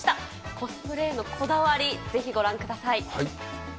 コスプレへのこだわり、ぜひ、ご覧ください。